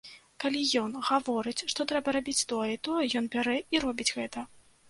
Калі ён гаворыць, што трэба рабіць тое і тое, ён бярэ і робіць гэта.